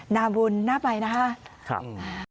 นามุณหน้าไปนะคะครับ